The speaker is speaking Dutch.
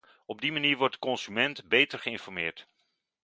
Op die manier wordt de consument beter geïnformeerd.